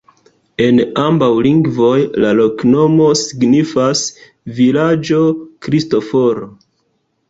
En ambaŭ lingvoj la loknomo signifas: vilaĝo Kristoforo.